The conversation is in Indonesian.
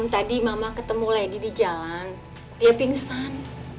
tadi mama ketemu lady di jalan dia pingsan